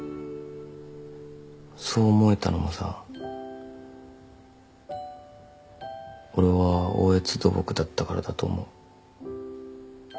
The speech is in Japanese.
そう思えたのもさ俺は大悦土木だったからだと思う。